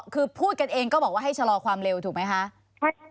คือพูดกันเองก็บอกว่าให้ชะลอความเร็วถูกไหมคะ